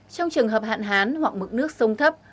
trong trường hợp hạn hán hoặc mực nước sông thấp